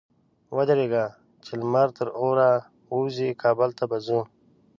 ودرېږه! چې لمر تر اوره ووزي؛ کابل ته به ځو.